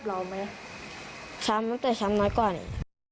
ช้ำได้หรอไหมช้ำแต่ช้ำน้อยกว่านี้